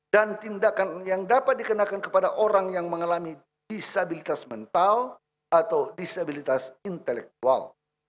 dan tindakan yang dapat dikenakan kepada orang yang mengalami disabilitas mental atau disabilitas intelektual